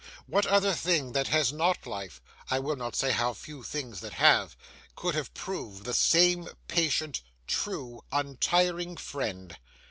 what other thing that has not life (I will not say how few things that have) could have proved the same patient, true, untiring friend?